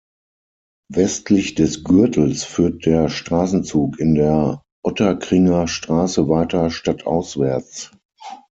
Westlich des Gürtels führt der Straßenzug in der Ottakringer Straße weiter stadtauswärts.